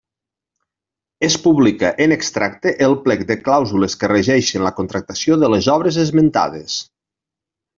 Es publica, en extracte, el plec de clàusules que regeixen la contractació de les obres esmentades.